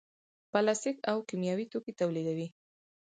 پلاستیک او کیمیاوي توکي تولیدوي.